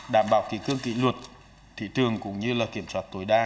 đảm bảo kỳ cương kỳ luật thị trường cũng như kiểm soát tối đa